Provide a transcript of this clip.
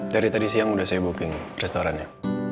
dari tadi siang sudah saya booking restorannya